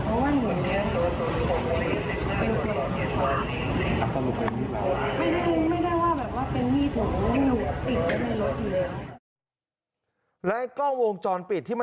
เมื่อวานไม่อยากให้ลูกอยู่เพราะว่าจะกลับแล้วมันก็เหยียบหยียบลูกอ่ะเหยียบเหยียบ